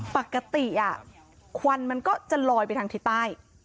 ปกติควันมันก็จะลอยไปทางทิศใต้